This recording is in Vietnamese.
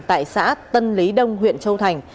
tại xã tân lý đông huyện châu thành